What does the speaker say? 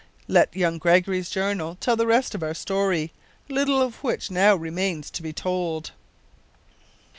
Let young Gregory's journal tell the rest of our story, little of which now remains to be told.